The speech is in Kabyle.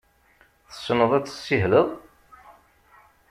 Tessneḍ ad tessihleḍ?